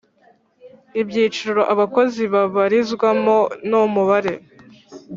ibyiciro abakozi babarizwamo n’umubare